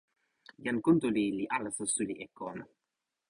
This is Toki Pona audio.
jan Kuntuli li alasa suli e kon.